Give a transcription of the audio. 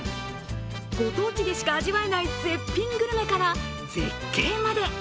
ご当地でしか味わえない絶品グルメから絶景まで。